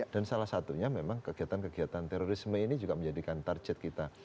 dan salah satunya memang kegiatan kegiatan terorisme ini juga menjadikan target kita